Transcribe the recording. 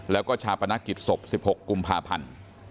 แล้วก็ชาปนกิจศพ๑๖กุมภาพันธ์